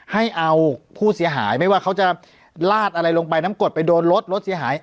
ให้เอาผู้เสียหายไม่ว่าเขาจะลาดอะไรลงไปน้ำกดไปโดนรถรถเสียหาย